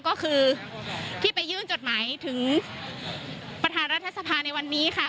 ก็คือที่ไปยื่นจดหมายถึงประธานรัฐสภาในวันนี้ค่ะ